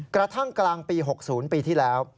กระทั่งกลางปี๖๐ปีที่แล้ว